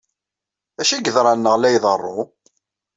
D acu ay yeḍran neɣ la iḍerru?